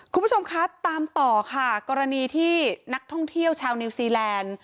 คุณผู้ชมคะตามต่อค่ะกรณีที่นักท่องเที่ยวชาวนิวซีแลนด์